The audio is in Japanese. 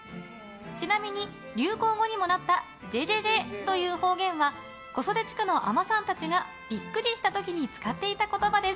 ちなみに、流行語にもなったじぇじぇじぇという方言は小袖地区の海女さんたちがビックリした時に使っていた言葉です。